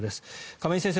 亀井先生